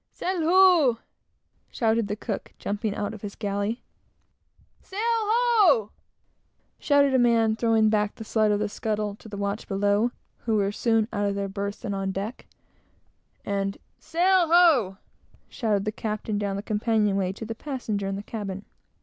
"Sail ho!" shouted the cook, jumping out of his galley; "Sail ho!" shouted a man, throwing back the slide of the scuttle, to the watch below, who were soon out of their berths and on deck; and "Sail ho!" shouted the captain down the companion way to the passenger in the cabin.